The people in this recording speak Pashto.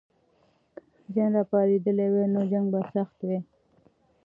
که غازیان راپارېدلي وي، نو جنګ به سخت وي.